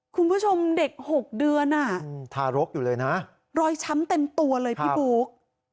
คุณผู้ชมเด็ก๖เดือนอ่ะทารกอยู่เลยนะรอยช้ำเต็มตัวเลยพี่บุ๊ก